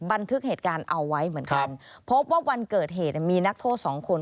บันทึกเหตุการณ์เอาไว้เหมือนกันพบว่าวันเกิดเหตุมีนักโทษสองคน